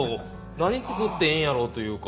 何作ってええんやろというか。